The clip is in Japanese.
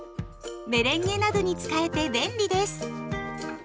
メレンゲなどに使えて便利です。